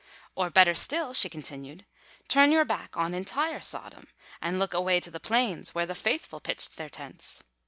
"Or better still," she continued, "turn your back on entire Sodom, and look away to the plains where the faithful pitched their tents.